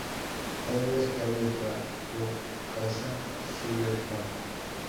Cada vez que abres la bocaza, sube el pan